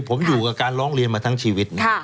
ผมอยู่กับการร้องเรียนมาทั้งชีวิต